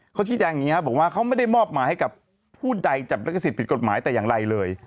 เขาก็ว่าเขาไม่ได้มอบมาให้กับผู้ใดยกกฎหมายแต่อย่างไรเลย